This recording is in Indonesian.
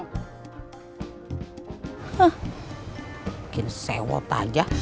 mungkin sewot aja